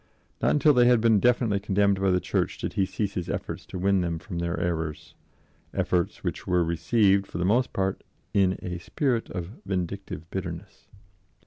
Not until they had been definitely condemned by the Church did he cease his efforts to win them from their errors efforts which were received, for the most part, in a spirit of vindictive bitterness.